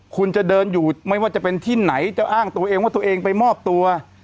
คุณจะเดินอยู่ไม่ว่าจะเป็นที่ไหนจะอ้างตัวเองว่าตัวเองไปมอบตัว